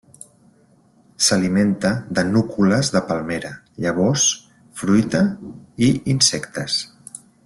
S'alimenta de núcules de palmera, llavors, fruita i insectes.